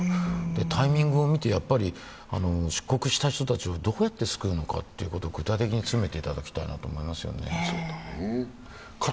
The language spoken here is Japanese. タイミングを見て、出国した人たちをどうやって救うのか、具体的に詰めていただきたいなと思いますよね。